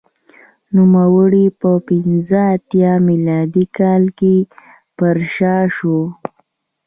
نوموړی په پنځه اتیا میلادي کال کې پرشا شو